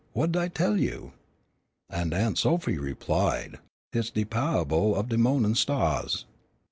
wha'd I tell you?" and Aunt Sophy replied, "Hit's de pa'able of de mo'nin' stahs."